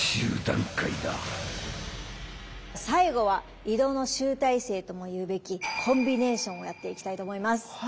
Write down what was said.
最後は移動の集大成ともいうべきコンビネーションをやっていきたいと思います。